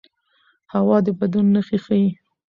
هوا د بدلون نښې ښيي